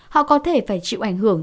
họ có thể phải chịu ảnh hưởng